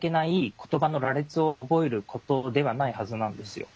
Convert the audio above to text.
言葉の羅列を覚えることではないはずなんですよ。